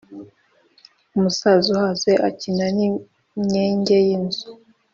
Umusaza uhaze akina n’imyenge y’inzu.